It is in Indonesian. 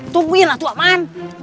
tungguinlah tuan paman